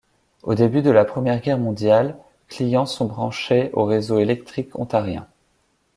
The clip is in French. Au début de la Première Guerre mondiale, clients sont branchés au réseau électrique ontarien.